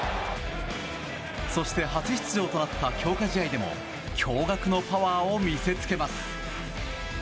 そして初出場となった強化試合でも驚愕のパワーを見せつけます。